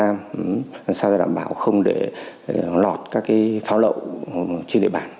làm sao đảm bảo không lọt các pháo lậu trên địa bàn